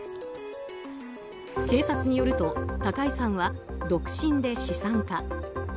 警察によると高井さんは独身で資産家。